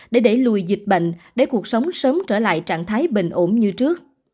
để đẩy lùi dịch bệnh để cuộc sống sớm trở lại trạng thái bình ổn như trước